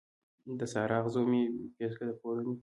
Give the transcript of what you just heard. د سارا، اغزو مې پیڅکه د پوړنې